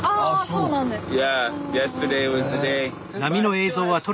そうなんですね。